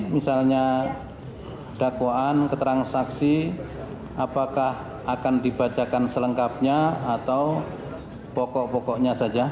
misalnya dakwaan keterangan saksi apakah akan dibacakan selengkapnya atau pokok pokoknya saja